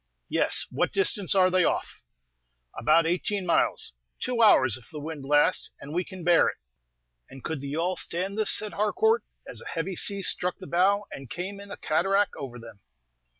"Yes. What distance are they off?" "About eighteen miles. Two hours, if the wind lasts, and we can bear it." "And could the yawl stand this?" said Harcourt, as a heavy sea struck the bow, and came in a cataract over them.